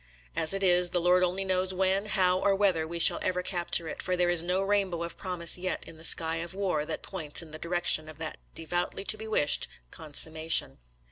As it is, the Lord only knows when, how, or whether we shall ever capture it; for there is no rainbow of prom ise yet in the sky of war that points in the direc tion of that "devoutly to be wished" consum mation.